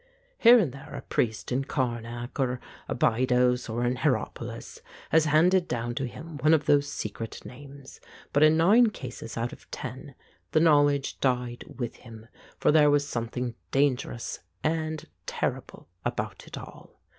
Here and there a priest in Karnak, or Abydos, or in Hieropolis, had had handed down to him one of those secret names, but in nine cases out of ten the knowledge died with him, for there was something dangerous and terrible about it all.